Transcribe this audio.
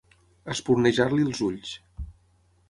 Espurnejar-li els ulls.